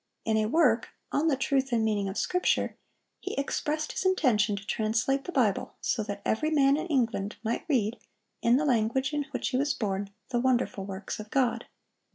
In a work, "On the Truth and Meaning of Scripture," he expressed his intention to translate the Bible, so that every man in England might read, in the language in which he was born, the wonderful works of God.